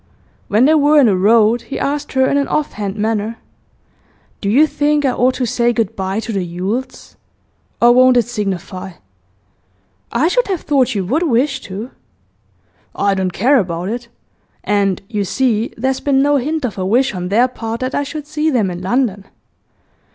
When they were in the road, he asked her in an offhand manner: 'Do you think I ought to say good bye to the Yules? Or won't it signify?' 'I should have thought you would wish to.' 'I don't care about it. And, you see, there's been no hint of a wish on their part that I should see them in London.